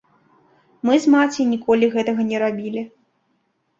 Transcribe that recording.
Мы з маці ніколі гэтага не рабілі.